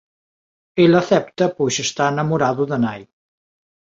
El acepta pois está namorado da nai.